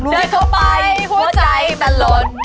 ดึกเข้าไปหัวใจมันล้ม